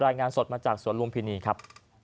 รายงานสดมาจากสวนลุมพินีครับ